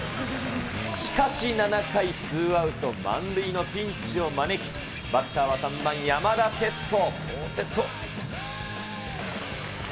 しかし、７回ツーアウト満塁のピンチを招き、バッターは３番山田哲人。